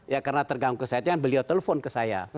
ya karena terganggu kesehatannya beliau telpon ke saya